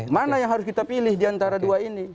mana yang harus kita pilih diantara dua ini